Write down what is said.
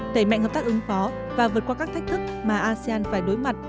đẩy mạnh hợp tác ứng phó và vượt qua các thách thức mà asean phải đối mặt